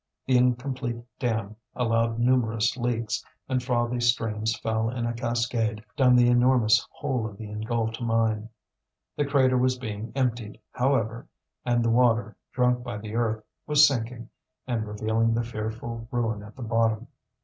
The incomplete dam allowed numerous leaks, and frothy streams fell in a cascade down the enormous hole of the engulfed mine. The crater was being emptied, however, and the water, drunk by the earth, was sinking, and revealing the fearful ruin at the bottom.